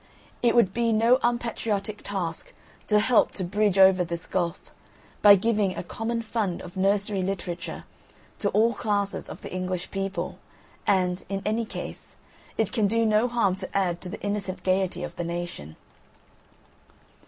It would be no unpatriotic task to help to bridge over this gulf, by giving a common fund of nursery literature to all classes of the English people, and, in any case, it can do no harm to add to the innocent gaiety of the nation.